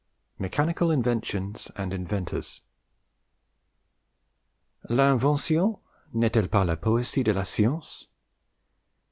MECHANICAL INVENTIONS AND INVENTORS. "L'invention nest elle pas la poesie de la science?